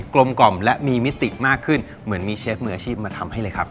ลมกล่อมและมีมิติมากขึ้นเหมือนมีเชฟมืออาชีพมาทำให้เลยครับ